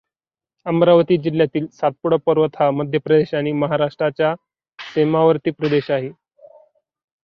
अमरावती जिल्ह्यातील सातपुडा पर्वत हा मध्यप्रदेश आणि महाराष्ट्राचा सीमावर्ती प्रदेश आहे.